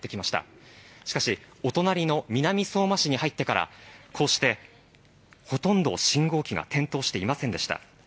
しかし、お隣りの南相馬市に入ってから、こうしてほとんど信号機が点灯していませんでした。